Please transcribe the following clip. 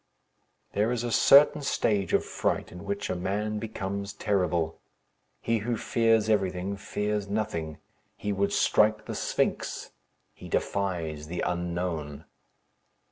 There is a certain stage of fright in which a man becomes terrible. He who fears everything fears nothing. He would strike the Sphynx. He defies the Unknown.